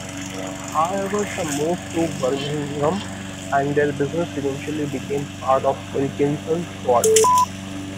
However some moved to Birmingham and their business eventually became part of Wilkinson Sword.